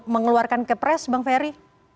mengeluarkan kepres bang ferry